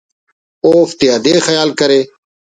اوفتیا دے خیال کرے